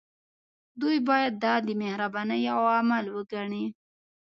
دوی باید دا د مهربانۍ يو عمل وګڼي.